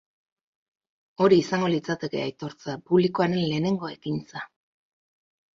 Hori izango litzateke aitortza publikoaren lehenengo ekintza.